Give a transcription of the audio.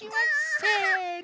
せの。